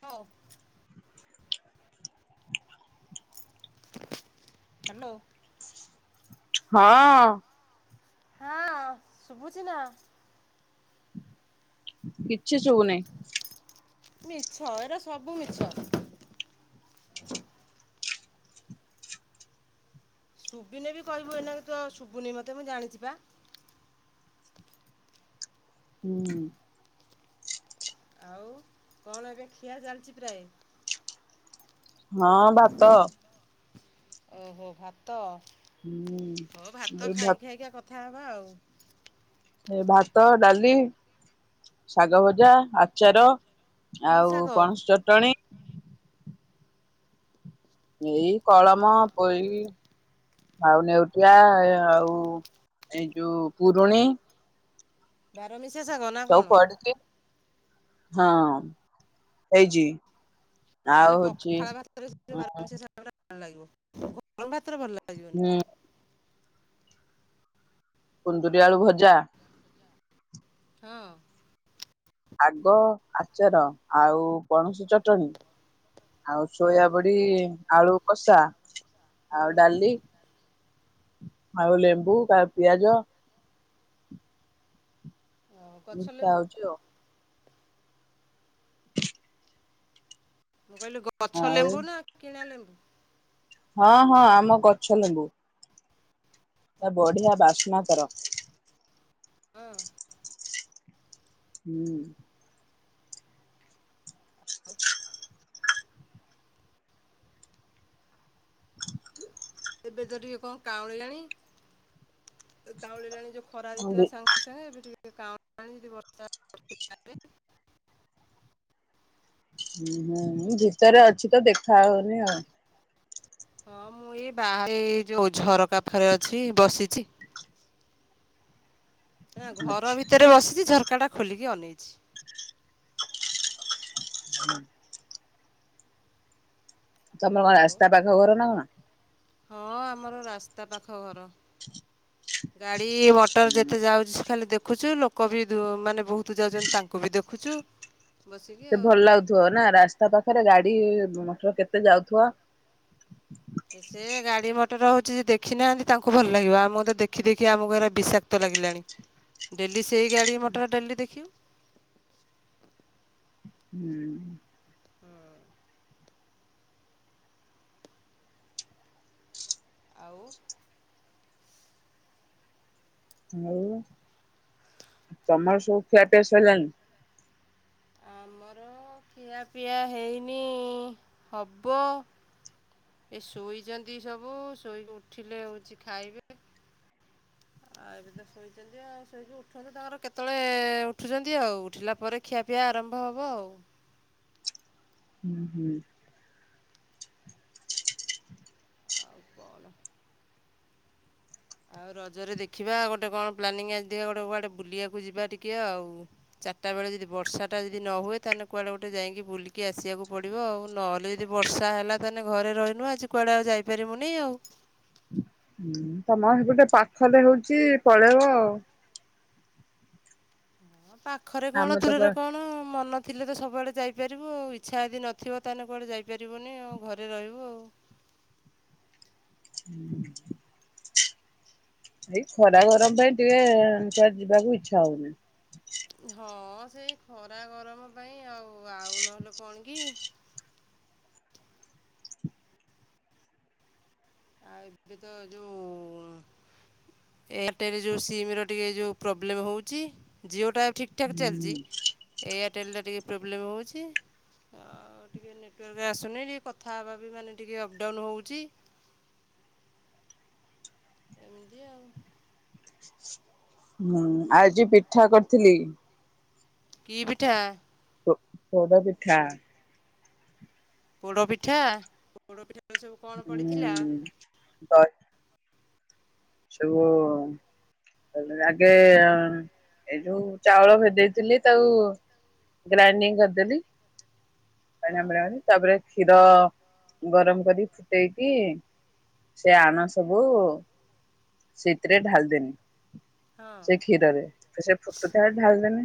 ହ [inaudible] ହ୍ୟାଲୋ ହଁ ହଁ ଶୁଭୁଛି ନା କିଛି ଶୁଭୁନାଇଁ ମିଛ ଏଇରା ସବୁ ମିଛ। ଶବିନେ ବି କହିବୁ ଏଇନା ତୁ ଶବୁନି ମତେ ମୁଁ ଜାଣିଛି ବା। ହୁଁ ଆଉ କଣ ଏବେ ଖିଆ ଚାଲିଛି ପ୍ରାୟ। ହଁ ଭାତ। ଉହୁଁ ଭାତ। ହଉ ଭାତ ହୁଁ ଭା ଖାଇ ଖାଇକା କଥା ହଉ ଏ ଭାତ ଡାଲି ଶାଗ ଭଜା ଆଚାର। କି ଆଉ ଶାଗ ପଣସ ଚଟଣି। ଏଇ କଳମ ପୋଇ ଆଉ ନେଉଟିଆ ଆଉ ଏଇ ଯୋଉ ପୁରୁଣି। ବାରମିଶା ଚେଷାଗ ନା ସବୁ କଣ ପଡିକି ହଁ ହେଇଚି। ତାହେଲେ ପଖାଳ ଭାତରେ ବାରାମିଶା ଶାଗଗୁଡା ଭଲ ଲାଗିବହଁ ଭାତରେ ଭଲ ଲାଗିବ। [inaudible] କୁନ୍ଦୁରି ଆଳୁ ଭଜା ହୁଁ ଉଁ ଆଗ ଆଚାର ଆଉ ପଣୁଷଚଟଣି ଆଉ ହଁ ସୋୟା ବଡି ଆଳୁ କଷା ଆଉ ହୁଁ ଡାଲି ଆଉ ଲେମ୍ବୁ ପିଆଜ ଆଉ ଗଛ ଯ ଲେମ୍ବୁ ଆଛ ମୁଁ କହିଲି ଗଛ ଆଉ ଲେମ୍ବୁ ନା କିଣା ଲେମ୍ବୁ ହଁ ହଁ ଆମ ଗଛ ଲେମ୍ବୁ ତା ବଢ଼ିଆ ବାସନା କର ହଁ ହୁଁ [inaudible] ଏବେ ତ ଟିକେ କଣ କାଉଁଳିଲାଣି କାଉଁଳିଲାଣି ଯୋଉ ଖରା ଭି ଦେଇଥିଲା ସାଙ୍ଗେ ସାଙ୍ଗେ ଏବେ ଟିକେ ଟ କ [unintelligible] ଯଦି ବର୍ଷା ବଷପାରେ ହୁଁ ହୁଁ ଭିତରେ ଅଛି ତ ଦେଖା ହଉନି ଆଉ ହଁ ମୁଁ ଏଇ ବାହାରେ ଏଇ ଯୋଉ ଝର ପାଖରେ ଅଛି ବସିଚି। ନା ଘର ଆଚ୍ଛା ଭିତରେ ବସିଛି ଝର ଝରକା ଟା ଖୋଲିକି ଅନେଇଛି। [inaudible] ତମର କଣ ଆଉ ରାସ୍ତା ପାଖ ଘର ନା କଣ? ହଁ ଆମର ରାସ୍ତା ପାଖ ଘର ଗା ଗାଡି ମଟର ହୁଁ ଯେତେ ଯାଉଛି ଖାଲି ଦେ ଦେଖୁଛୁ ଲୋକ ଦୁ ବି ମାନେ ବହୁତ ଯାଉଛନ୍ତି ତାଙ୍କୁ ବି ଦେଖ ଖୁଚୁ ସେ ଭଲ ଲାଗୁଥିବ ନା ରାସ୍ତା ପାଖରେ ଗାଡି ମଟର କେତେ ଯାଉଥିବ। ସେ ଗାଡି ମଟର ହଉଚି ଯେ ଦେଖିନାହାନ୍ତି ତାଙ୍କୁ ଭଲ ଲାଗିବ ଆମ ତ ଦେଖି ଦେଖି ଆମକୁ ଏରାକ ବିଷାକ୍ତ ଲାଗିଲାଣି। ଡେଲି ସେଇ ଗାଡି ମଟର ଡେଲି ଦେଖିବୁ। ହୁଁ ହୁଁ। ଆଉ। ଆଉ ତମର ସବୁ ଖିଆ ପିଆ ସରିଲାଣି? ଆମର ଖିଆପିଆ ହେଇନି ହବ, ଏ ଶୋଇଛନ୍ତି ସବୁ ଶୋଇକି ଉଠିଲେ ହଉଛି ଖାଇବେ। ଆ ଏବେ ତ ଶୋଇଚନ୍ତି ଆଉ ଶୋଇକି ଉଠନ୍ତୁ ତାଙ୍କର କେତେବେଳେ ଉଠୁଛନ୍ତି ଆଉ ଉଠିଲା ପରେ ଖିଆ ପିଆ ଆରମ୍ଭ ହବ ଆଉ ହୁଁ ହୁଁ ଆଉ କଣ? ଆଉ ରଜରେ ଦେଖିବା ଗୋଟେ କଣ ପ୍ଲାନିଂ ଆଜିି ଗୋଟେ କୁଆଡେ ବୁଲିବାକୁ ଯିବା ଟିକେ ଆଉ। ଚାରିଟା ବେଳେ ଯଦି ବର୍ଷା ଟା ଯଦି ନ ହୁଏ ତାହେଲେ କୁଆଡେ ଗୋଟେ ଯାଇକି ବୁଲିକି ଆସିବାକୁ ପଡିବ ଆଉ। ନହେଲେ ଯଦି ବର୍ଷା ହେଲା ତାହେଲେ ଘରେ ରହିଲୁ ଆଜି କୁଆଡେ ଆଉ ଯାଇପାରିବୁନି ଆଉ। ତମ ହେପଟେ ପାଖରେ ହଉଛି ପଳେଇବ ଆଉ। [unintelligible] ପାଖରେ କଣ ଆମେ ତ କୁଆ ଦୂରରେ କଣ ମନ ଥିଲେ ତ ସବୁଆଡ଼େ ଯାଇପାରିବୁ ଆଉ ଇଚ୍ଛା ଯଦି ନଥିବ ତାହେଲେ କୁଆଡ଼େ ଯାଇପାରିବୁନି ଆଉ। ଘରେ ରହିବୁ ଆଉ। [inaudible] ଏଇ ଖରା ଗରମ ପାଇଁ ଟିକେ କୁଆଡ଼େ ଯିବାକୁ ଇଚ୍ଛା ହଉନି। ହଁ ସେଇ ଖରା ଗରମ ପାଇଁ ଆଉ। ଓ ଆଉ ନହେଲେ କଣ କି? ଆଉ ଏବେ ତ ଯୋଉ ଏୟାରଟେଲ ଯୋଉ ସିମ ର ଟିକେ ଯୋଉ ପ୍ରୋବ୍ଲେମ ହଉଛି ଜିଓ ଟା ଠିକ୍ ଠାକ୍ ଚାଲିଚି ହୁଁ ଏୟାରଟେଲ୍ ଟା ଟିକେ ପ୍ରୋବ୍ଲେମ୍ ହଉଚି, ଆଉ ଟିକେ ନେଟୱାର୍କ ଆସୁନି ଟିକେ କଥା ହେବା ବି ମାନେ ଟିକେ ଅପଡ଼ାଉନ୍ ହଉଛି। ଏମିତି ଆଉ। ହୁଁ ଆଜି ପିଠା କରିଥିଲି। କି ପିଠା? ପୋ ପୋଡ ପିଠା। ପୋଡ ପିଠା ପୋଡ ପିଠା ସବୁ କଣ ପଡ଼ିଥିଲା? [unintelligible] ସବୁ ଆଗେ ଏ ଯୋଉ ଚାଉଳ ଭେଦେଇଥିଲି ତାକୁ ଗ୍ରାଇଣ୍ଡିଙ୍ଗ କରିଦେଲି। ହଁ [unintelligible] ତାପରେ କ୍ଷୀର ଗରମ କରି ଫୁଟେଇକି ସେ ଆଣ ସବୁ ସେଇଥିରେ ଢାଲି ଦେନି। ହଁ ସେ ଖିରରେ ସେ ଫୁଟୁ ଥାଏ ଢାଲିଦେନି।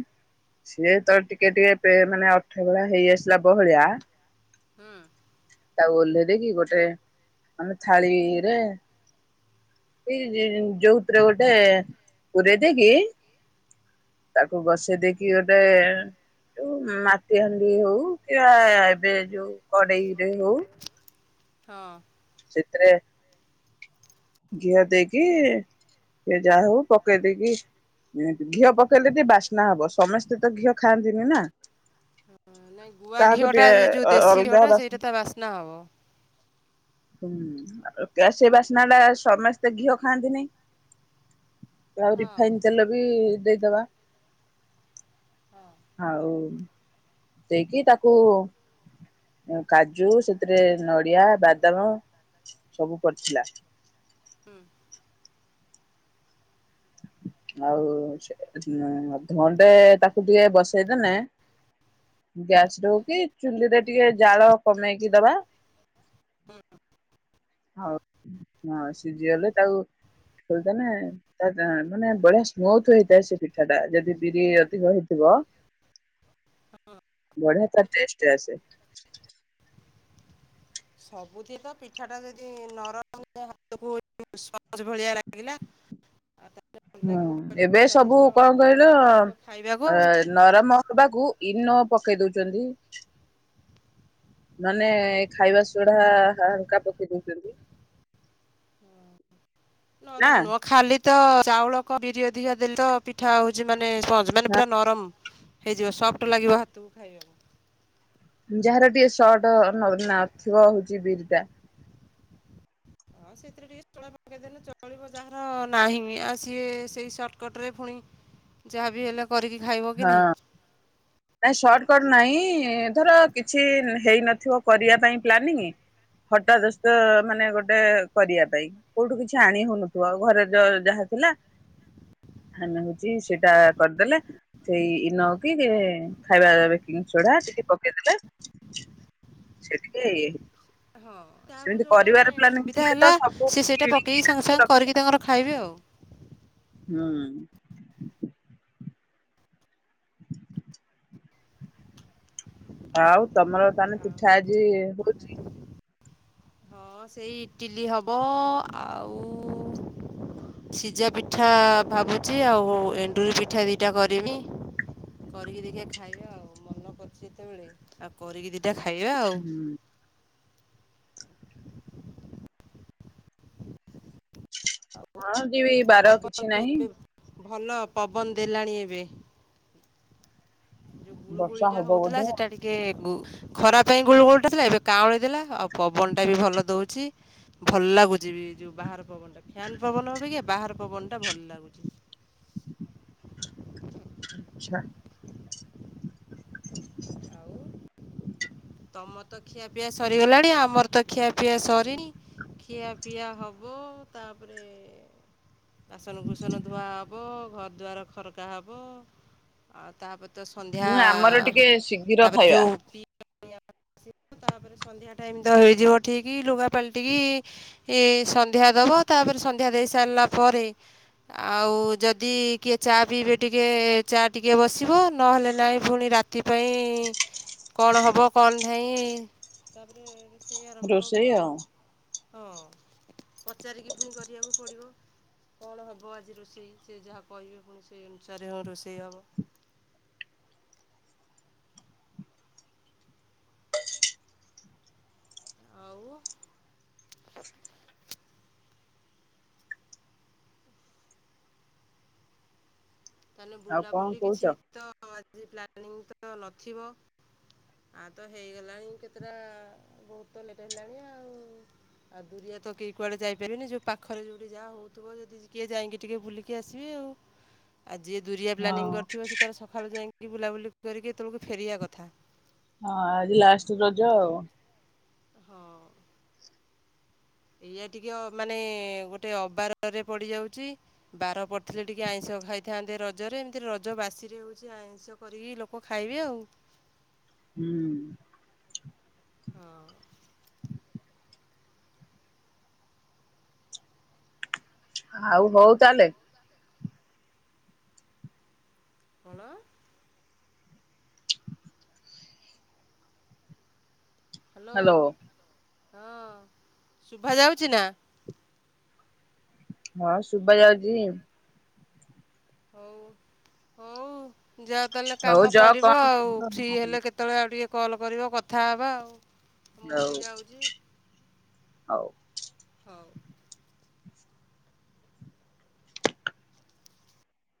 ସିଏ ତ ଟିକେ ଟିକେ ପେ ମାନେ ଅଠା ଭଳିଆ ହେଇ ଆସିଲା ବହଳିଆ ହୁଁ। ତାକୁ ଓହ୍ଲେଇ ଦେଇକି ଗୋଟେ ଆମେ ଥାଳିରେ ଏଇ ଯୋଉଥିରେ ଗୋଟେ ପୁରେଇ ଦେଇକି ତାକୁ ବସେଇ ଦେଇକି ଗୋଟେ ଯୋଉ ମାଟି ହାଣ୍ଡି ହଉ କି ଏବେ ଯୋଉ କଡେଇରେ ହଉ ହଁ। ସେଥିରେ ଘିଅ ଦେଇକି ସେ ଯାହା ହଉ ପକେଇ ଦେଇକି ଘିଅ ପକେଇଲେ ଟିକେ ବାସ୍ନା ହବ ସମସ୍ତେ ତ ଘିଅ ଖାଆନ୍ତିନି ନା। ନାଇଁ ଗୁଆ କାହାକୁ ଘିଅଟା ଟିକେ ଯୋଉ ଦେଶୀ ଅଲଗା ଘିଅଟା ବାସ୍ନା ସେଇଟା ତା ବାସ୍ନା ହବ। ହୁଁ ସେ ବାସନାଟା ସମସ୍ତେ ଘିଅ ଖାଆନ୍ତିନାଇ। ଆଉ ହଁ ରିଫାଇନ ତେଲ ବି ଦେଇଦବା ହଁ [inaudible] ଆଉ ଦେଇକି ତାକୁ କାଜୁ ସେଥିରେ ନଡିଆ ବାଦାମ ସବୁ ପଡିଥିଲା। ହୁଁ ଆଉ ସେ ଧଣ୍ଡେ ତାକୁ ଟିକେ ବସେଇଦଲେେ ଗ୍ୟାସରେ ହଉ କି ଚୁଲିରେ ଟିକେ ଜାଳ କମେଇକି ଦବା [inaudible] ହୁଁ ହଉ ହଁ ସିଝିଗଲେ ତାକୁ ଖୋଲିଦେନେ ମାନେ ବଢିଆ ସ୍ମୁଥ ହେଇଥାଏ ସେ ପିଠା ଟା ଯଦି ବିରି ଅଧିକ ହେଇଥିବ ହଁ। ବଢିଆ ତାର ଟେଷ୍ଟ ଆସେ। ସବୁଥି ତ ପିଠା ଟା ଯଦି ନରମ ହାତକୁ ସ୍ପଞ୍ଜ ଭଳିଆ ଲାଗିଲା। ଆଉ ତାହେଲେ ଭଲ ହୁଁ ଲାଗିବ ପାଟିକି ଏବେ ସବୁ ସ୍ଵାଦିଷ୍ଟ ହବ କଣ ଭଲ କହିଲ ଲାଗିବ ଖାଇବାକୁ ଆଉ। ନରମ ହବାକୁ ଇନୋ ପକେଇ ଦଉଚନ୍ତି। [inaudible] ନନେ ଖାଇବା ସୋଢା ହାଲକା ପକେଇ ଦଉଛନ୍ତି। ନା ନରମ ନୁହଁ ଖାଲି ତ ଚାଉଳ କ ବିରି ଅଧିକା ଦେଲେ ତ ପିଠା ହଉଛି ମାନ ମାନେ ସ୍ପଞ୍ଜ ମାନେ ହଁ ପୁରା ନରମ। ହେଇଯିବ ସଫ୍ଟ ଲାଗିବ ହାତୁକୁ ଖାଇବାକୁ। ଯାହାର ଟିକେ ସର୍ଟ ନ ନାଥିବ ହଉଛି ବିରିଟା ହଁ ସେଥିରେ ଟିକେ ସୋଢା ପକେଇଦେଲେ ଚଳିବ ଯାହାର ନାହିଁ ଆଉ ସିଏ ସେଇ ସର୍ଟକଟରେ ପୁଣି ଯାହାବି ହେଲେ କରିକି ଖାଇବ କି ହଁ ନାହିଁ ନାଇ ସର୍ଟକଟ ନାଇଁ ଧର କିଛି ହେଇନଥିବ କରିଆ ପାଇଁ ପ୍ଲାନିଂ ହଠାତ୍ ଯ ମାନେ ଗୋଟେ କରିଆ ପାଇଁ କୋଉଠୁ କିଛି ଆଣି ହଉନଥିବ ଘରେ ଯ ଯାହା ଥିଲା ଆମେ ହଉଛି ସେଇଟା କରିଦେଲେ। ସେଇ ଇନୋକି ଖାଇବା ବେକିଂ ସୋଢା ଟିକେ ପକେଇଦେଲେ ସେଟିକେ ହଁ ଯାହାକୁ ଯୋଉଟା ମାନେ ସୁବିଧା ଥିଲେ ତ ହେଲା ସବୁ ସେ ସେଇଟା କିଣିକି ପକେଇକି ସାଙ୍ଗେ ଆଣିକି ସାଙ୍ଗେ ରଖ କରିକି ତାଙ୍କର ଖାଇବେ ଆଉ। ହୁଁ। [inaudible] [inaudible] ଆଉ ତମର ତାହେଲେ ପିଠା ଆଜି ହଉଛି। ହଁ ସେଇ ଇଟିଲି ହବ ଆଉ ସିଝା ପିଠା ଭାବୁଛି ଆଉ ଏଣ୍ଡୁରି ପିଠା ଦିଟା କରିମି କରିକି ଦେଖି ଖାଇବା ଆଉ ମନ କରୁଛି ଯେତେବେଳେ ଆଉ କରିକି ଟା ଖାଇବା ଆଉ। ହୁଁ ହଁ ଯିବି ବାର ପବନ କିଛି ବି ନାହିଁ। ଏବେ ଭଲ ପବନ ଦେଲାଣି ଏବେ। ଯୋଉ ଗୁଳୁ ଗୁଳି ବର୍ଷା ଟା ହବ ହଉଥିଲା ବୋଧେ ସେଟା ଟିକେ ଖରା ପାଇଁ ଗୁଳୁ ଗୋଳଟା ଥିଲା ଏବେ କାଁଳି ଦେଲା ଆଉ ପବନ ଟା ବି ଭଲ ଦଉଛି ଭଲ ଲାଗୁଛି ବି ଯୋଉ ବାହାର ପବନଟା। ଫ୍ୟାନ୍ ପବନ ହବ କି ବାହାର ପବନ ଟା ଭଲ ଲାଗୁଛି। ଆଚ୍ଛା। ଆଉ [inaudible] ତମ ତ ଖିଆ ପିଆ ସରିଗଲାଣି ଆମର ତ ଖିଆ ପିଆ ସରିନି ଖିଆ ପିଆ ହବ ତାପରେ ବାସନ ବୁସନ ଧୁଆ ହବ ଘର ଦ୍ୱାର ଖରକା ହେବ ଆଉ ତାପ ତ ସନ୍ଧ୍ୟା ହୁଁ ଆମର ଟିକେ ଶୀଘ୍ର ତାପରେ ଖାଇବା ଯେଉଁ ତାପରେ ସନ୍ଧ୍ୟା ଟାଇମ ତ ହେଇଯିବ ଠିକ କି ଲୁଗା ପଲଟିିକ ଏ ସନ୍ଧ୍ୟା ଦେବ ତାପରେ ସନ୍ଧ୍ୟା ଦେଇ ସାରିଲା ପରେ ଆଉ ଯଦି କିଏ ଚା ପିଇବେ ଟିକଏ ଚା ଟିକଏ ବସି ଯିବ ନହେଲେ ନାଇଁ ପୁଣି ରାତି। ସେଥିପାଇଁ କଣ ହେବ କଣ ନାଇଁ ତାପରେ ସେଇ ଆରମ୍ଭ ହବ ଆଉ। ହଁ ପଚାରିକି ପୁଣି କରିବାକୁ ପଡିବ କଣ ହବ ଆଜି ରୋଷେଇ ସେ ଯାହା କହିବେ ପୁଣି ସେଇ ଅନୁସାରେ ହଁ ରୋଷେଇ ହବ। ଆଉ ତାହେଲେ ଆଉ କଣ ବୁଲାବୁଲି କହୁଛ? କିଛି ତ ଆଜି ପ୍ଲାନିଂ ତ ନଥିବ ଆ ତ ହେଇଗଲାଣି କେତେଟା ବହୁତ ଲେଟ୍ ହେଲାଣି ଆଉ ଆଉ ଦୁରିଆ ତ କିହି କୁଆଡ଼େ ଯାଇପାରିବିନି ଯୋଉ ପାଖରେ ଯୋଉଠି ଯାହା ହଉଥିବ ଯଦି କିଏ ଯାଇକି ଟିକେ ବୁଲିକି ଆସିବେ ଆଉ। ଆଜିିଏ ଦୁରିଆ ହଁ ପ୍ଲାନିଂ କରିଥିବ ସେ ତାେ ସକାଳୁ ଯାଇକି ବୁଲାବୁଲି କରିକି ତଳକୁ ଫେରିବା କଥା। ହଁ ଆଜି ଲାଷ୍ଟ ରଜ ଆଉ। ହଁ ଏଇଆ ଟିକେ ମାନେ ଗୋଟେ ଅବାରରେ ପଡିଯାଉଛି ବାର ପଡିଥିଲେ ଟିକେ ଆଇଁଷ ଖାଇଥାନ୍ତେ ରଜରେ ଏମିତି ରଜ ବାସିରେ ହଉଛି ଆଇଁଷ କରିକି ଲୋକ ଖାଇବେ ଆଉ। ହୁଁ। ହଁ। ଆଉ ହଉ ତାହଲେ। କଣ ହ୍ୟାଲୋ। ହଁ ଶୁଭା ଯାଉଛି ନା। ହଁ ଶୁଭା ଯାଉଛି ଯେ ହଉ ହଉ ଯାଅ ତାହେଲେ ହଉ କାମ ଯଅ କରିବ କଣ ଆଉ ଫ୍ରି ହେଲେ କେତେବେଳେ ଆଉ ଟିକେ କଲ୍ କରିବ କଥା ହେବା ଆଉ। ମୁଁ ବି ହଉ। ଯାଉଛି ହଉ। ହଉ